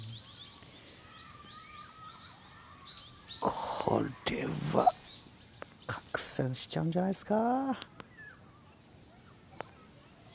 これは拡散しちゃうんじゃないっすか。